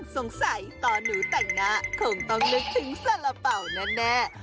สงสัยตอนหนูแต่งหน้าคงต้องนึกถึงสาระเป๋าแน่